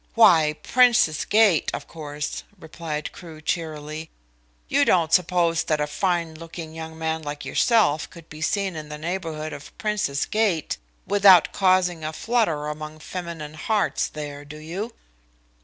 "Why, Princes Gate, of course," replied Crewe cheerily. "You don't suppose that a fine looking young man like yourself could be seen in the neighbourhood of Princes Gate without causing a flutter among feminine hearts there, do you?"